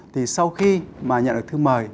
thì sau khi mà nhận được thư mời